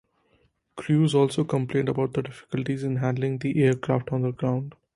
Crews also complained about the difficulties in handling the aircraft on the ground.